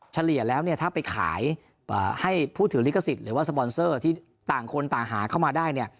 เฉลี่ยแล้วเนี่ยถ้าไปขายให้ผู้ถือลิขสิทธิ์หรือว่าสปอนเซอร์ที่ต่างคนต่างหาเข้ามาได้เนี่ย